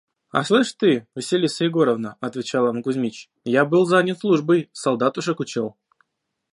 – «А слышь ты, Василиса Егоровна, – отвечал Иван Кузмич, – я был занят службой: солдатушек учил».